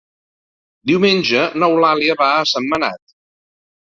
Diumenge n'Eulàlia va a Sentmenat.